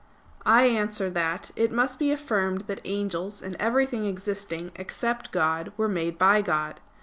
I answer that, It must be affirmed that angels and everything existing, except God, were made by God.